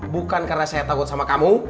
bukan karena saya takut sama kamu